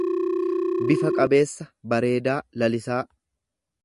bifa qabeessa, bareedaa, lalisaa.